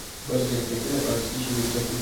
برجستګي د فاړسي ژبي ټکی دﺉ.